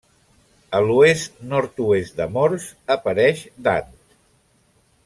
A l'oest-nord-oest de Morse apareix Dante.